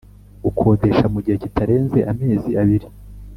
gukodesha mu gihe kitarenze amezi abiri